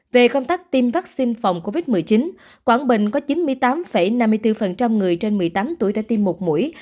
về công tác tiêm vaccine phòng covid một mươi chín quảng bình có chín mươi tám năm mươi bốn người trên một mươi tám tuổi đã tiêm một mũi